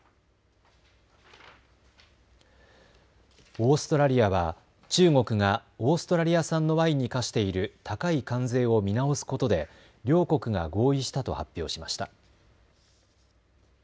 オーストラリアは中国がオーストラリア産のワインに課している高い関税を見直すことで両国が合意したと発表しました。